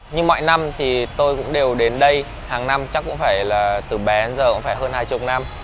nhưng mọi năm thì tôi cũng đều đến đây hàng năm chắc cũng phải là từ bé đến giờ cũng phải hơn hai mươi năm